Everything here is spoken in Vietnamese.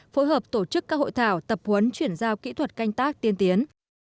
phối hợp tổ chức các hội thảo tập huấn chuyển giao kỹ thuật canh tác tiên tiến